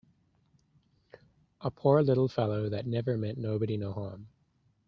A poor little fellow that never meant nobody no harm!